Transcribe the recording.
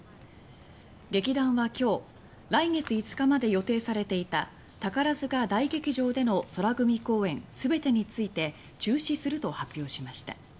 劇団は今日来月５日まで予定されていた宝塚大劇場での宙組公演全てについて中止すると発表しました。